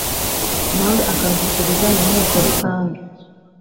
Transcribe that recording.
nawe akabishyikiriza mu Nteko Rusange